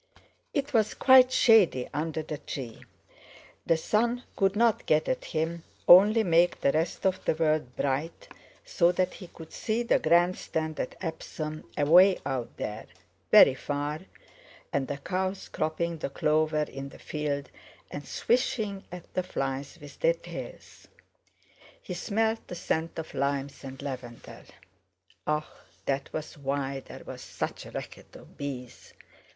It was quite shady under the tree; the sun could not get at him, only make the rest of the world bright so that he could see the Grand Stand at Epsom away out there, very far, and the cows cropping the clover in the field and swishing at the flies with their tails. He smelled the scent of limes, and lavender. Ah! that was why there was such a racket of bees.